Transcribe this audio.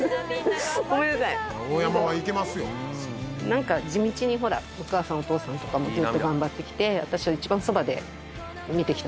なんか地道にほらお母さんお父さんとかもずっと頑張ってきて私は一番そばで見てきたんですよ。